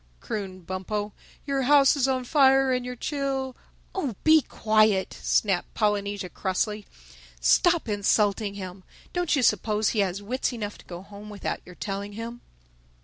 crooned Bumpo. "Your house is on fire and your chil—" "Oh, be quiet!" snapped Polynesia crossly. "Stop insulting him! Don't you suppose he has wits enough to go home without your telling him?"